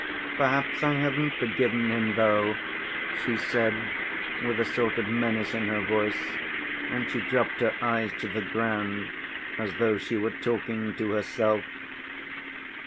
"Perhaps I haven't forgiven him, though," she said, with a sort of menace in her voice, and she dropped her eyes to the ground as though she were talking to herself.